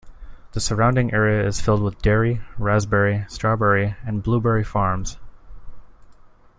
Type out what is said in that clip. The surrounding area is filled with dairy, raspberry, strawberry, and blueberry farms.